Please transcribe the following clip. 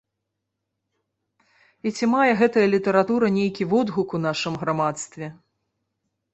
І ці мае гэтая літаратура нейкі водгук у нашым грамадстве.